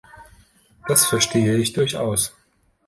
Das verstehe ich durchaus.